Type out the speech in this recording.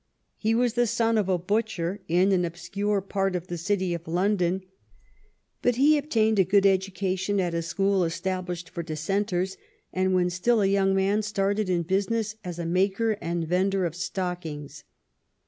He was the son of a butcher in an obscure part of the city of London, but he obtained a good education at a school established for Dissenters, and when still a young man started in business as a maker and vender of stockings.